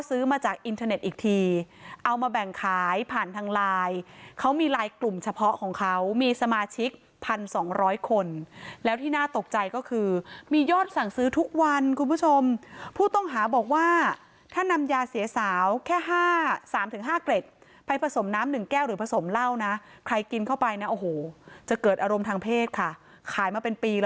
ซื้อมาจากอินเทอร์เน็ตอีกทีเอามาแบ่งขายผ่านทางไลน์เขามีลายกลุ่มเฉพาะของเขามีสมาชิก๑๒๐๐คนแล้วที่น่าตกใจก็คือมียอดสั่งซื้อทุกวันคุณผู้ชมผู้ต้องหาบอกว่าถ้านำยาเสียสาวแค่๕๓๕เกร็ดไปผสมน้ำหนึ่งแก้วหรือผสมเหล้านะใครกินเข้าไปนะโอ้โหจะเกิดอารมณ์ทางเพศค่ะขายมาเป็นปี